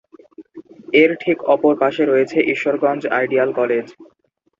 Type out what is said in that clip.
এর ঠিক অপর পাশে রয়েছে ঈশ্বরগঞ্জ আইডিয়াল কলেজ।